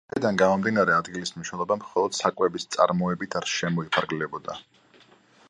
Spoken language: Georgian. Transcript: აქედან გამომდინარე, ადგილის მნიშვნელობა მხოლოდ საკვების წარმოებით არ შემოიფარგლებოდა.